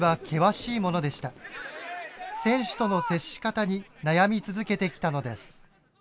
選手との接し方に悩み続けてきたのです。